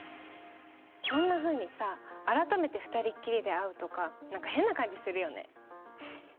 こんなふうにさ改めて２人っきりで会うとかなんか変な感じするよね